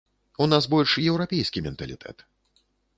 У нас больш еўрапейскі менталітэт.